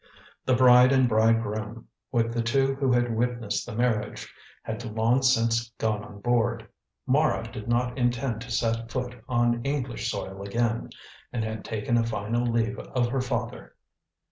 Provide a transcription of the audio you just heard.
The bride and bridegroom, with the two who had witnessed the marriage, had long since gone on board. Mara did not intend to set foot on English soil again, and had taken a final leave of her father.